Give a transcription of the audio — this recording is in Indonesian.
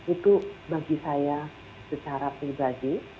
itu bagi saya secara pribadi